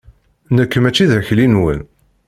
Nekk mačči d akli-nwen.